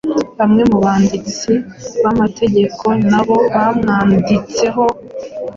bamwe mu banditsi b’amateka nabo bamwanditseho